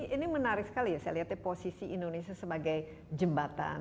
ini menarik sekali ya saya lihatnya posisi indonesia sebagai jembatan